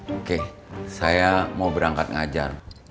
oke saya mau berangkat ngajar